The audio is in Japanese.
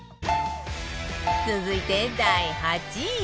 続いて第８位